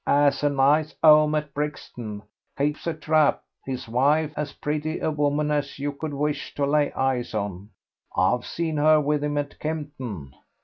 "'As a nice 'ome at Brixton, keeps a trap; his wife as pretty a woman as you could wish to lay eyes on. I've seen her with him at Kempton."